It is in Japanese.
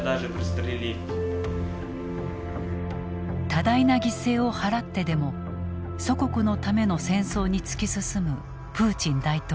多大な犠牲を払ってでも祖国のための戦争に突き進むプーチン大統領。